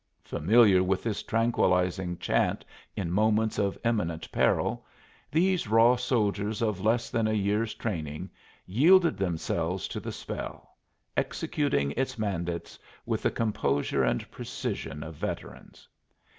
Familiar with this tranquilizing chant in moments of imminent peril, these raw soldiers of less than a year's training yielded themselves to the spell, executing its mandates with the composure and precision of veterans.